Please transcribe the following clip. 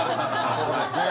そうですね。